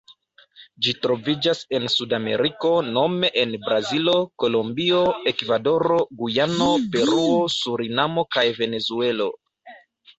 Ĝi troviĝas en Sudameriko nome en Brazilo, Kolombio, Ekvadoro, Gujano, Peruo, Surinamo kaj Venezuelo.